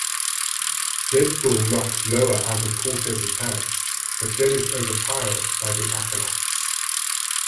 Deadpool knocks Loa out of Cortez's hands, but then is overpowered by the Acolytes.